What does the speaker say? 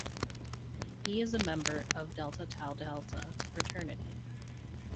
He is a member of Delta Tau Delta fraternity.